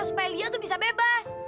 supaya lia itu bisa bebas